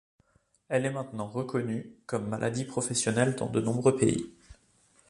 Elle est maintenant reconnue comme maladie professionnelle dans de nombreux pays.